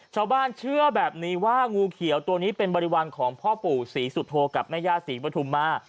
ชาวบ้านเชื่อแบบนี้ว่างูเขียวตัวนี้เป็นบริวารของพ่อปู่ศรีสุโธกับแม่ย่าศรีปฐุมมา